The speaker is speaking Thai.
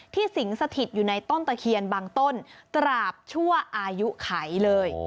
สิงสถิตอยู่ในต้นตะเคียนบางต้นตราบชั่วอายุไขเลย